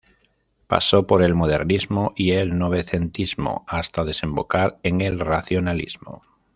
Pasó por el modernismo y el novecentismo hasta desembocar en el racionalismo.